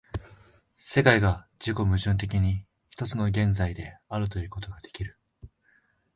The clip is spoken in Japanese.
世界が自己矛盾的に一つの現在であるということができる。